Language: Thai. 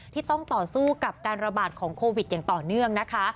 ที่ต้องต่อสู้กับการระบาดของโควิดอย่างต่อเนื่องนะคะ